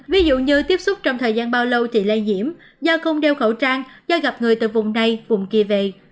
ví dụ như tiếp xúc trong thời gian bao lâu thì lây nhiễm do không đeo khẩu trang do gặp người từ vùng này vùng kia về